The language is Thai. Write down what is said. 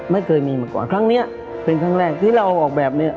ไม่เคยมีมาก่อนครั้งนี้เป็นครั้งแรกที่เราออกแบบเนี้ย